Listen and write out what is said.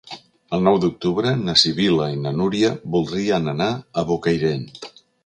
El nou d'octubre na Sibil·la i na Núria voldrien anar a Bocairent.